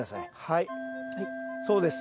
はいそうです。